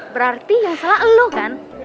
berarti ya salah elu kan